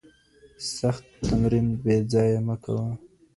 سخت تمرين بېځايه مه کوه